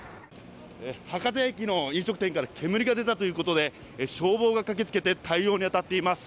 博多駅の飲食店から煙が出たということで消防が駆けつけて対応に当たっています。